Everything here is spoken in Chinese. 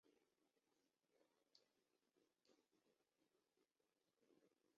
白花蓬子菜为茜草科拉拉藤属下的一个变种。